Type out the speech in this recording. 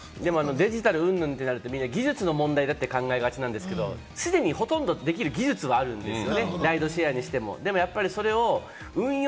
デジタルうんぬんってなると、技術の問題だってみんな考えがちですけれど、すでにできる技術はあるんですよ。